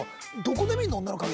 どこで見るの？